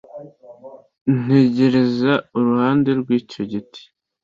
ntegereza iruhande rwicyo giti